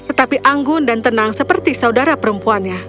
tetapi anggun dan tenang seperti saudara perempuannya